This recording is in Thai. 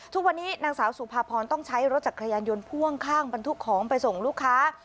ทุกวันนี้นางสาวสุภาพรต้องใช้รถจักรยานยนต์พ่วงข้างบรรทุกของไปส่งลูกค้า